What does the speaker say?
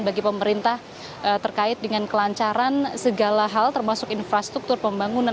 bagi pemerintah terkait dengan kelancaran segala hal termasuk infrastruktur pembangunan